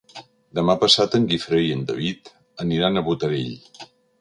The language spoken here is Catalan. Demà passat en Guifré i en David aniran a Botarell.